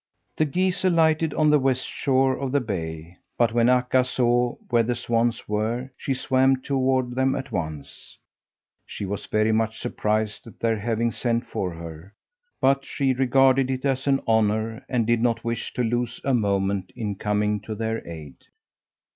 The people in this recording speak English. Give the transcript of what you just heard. The geese alighted on the west shore of the bay; but when Akka saw where the swans were, she swam toward them at once. She was very much surprised at their having sent for her, but she regarded it as an honour and did not wish to lose a moment in coming to their aid.